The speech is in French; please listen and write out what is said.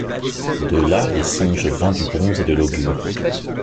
De là les songes vains du bronze et de l’augure.